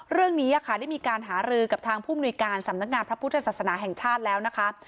เรื่องนี้ได้มีการหารือกับทางผู้มนุยการสำนักงานพระพุทธศาสนาแห่งชาติแล้วนะคะ